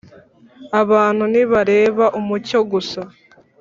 abantu ntibareba umucyo gusa.